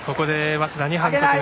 早稲田に反則。